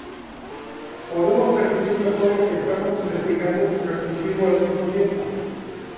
Podemos percibir mejor lo que estamos investigando y transmitirlo al mismo tiempo.